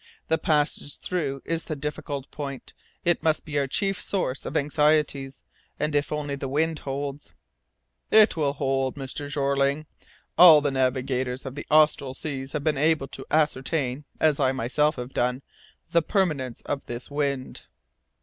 The passage through is the difficult point; it must be our chief source of anxiety, and if only the wind holds " "It will hold, Mr. Jeorling. All the navigators of the austral seas have been able to ascertain, as I myself have done, the permanence of this wind."